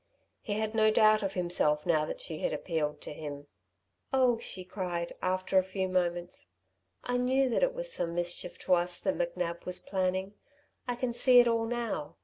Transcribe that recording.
He had no doubt of himself now that she had appealed to him. "Oh," she cried, after a few moments. "I knew that it was some mischief to us McNab was planning. I can see it all now.